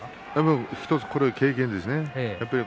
これは１つ経験ですね。